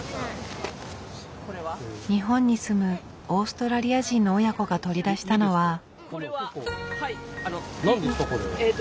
日本に住むオーストラリア人の親子が取り出したのは。